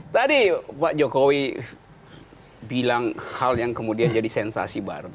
tadi pak jokowi bilang hal yang kemudian jadi sensasi baru